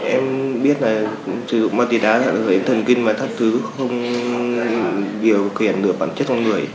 em biết là sử dụng ma túy đá là gây thần kinh và thất thứ không điều kiện được bản chất con người